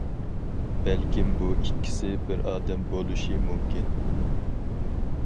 بەلكىم بۇ ئىككىسى بىر ئادەم بولۇشى مۇمكىن.